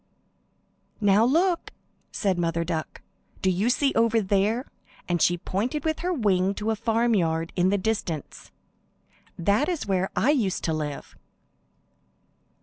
"Now look!" said Mother Duck. "Do you see over there?" and she pointed with her wing to a farmyard in the distance. "That is where I used to live."